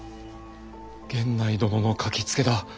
源内殿の書きつけだ。